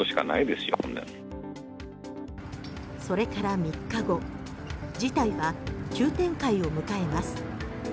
それから３日後事態は急展開を迎えます。